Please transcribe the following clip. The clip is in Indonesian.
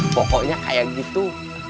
pokoknya kayak gitu